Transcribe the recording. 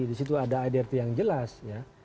di situ ada adrt yang jelas ya